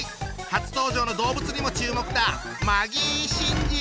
初登場の動物にも注目だ！